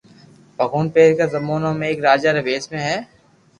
ڀگوان پيرڪا زمانو ۾ ايڪ راجا ري ڀيس ۾